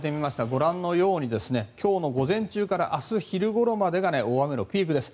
ご覧のように今日の午前中から明日昼ごろまでが大雨のピークです。